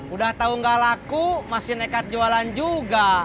udah tahu nggak laku masih nekat jualan juga